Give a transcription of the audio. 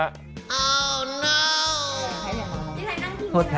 อ้าวน๊าว